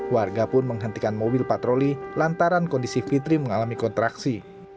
warga pun menghentikan mobil patroli lantaran kondisi fitri mengalami kontraksi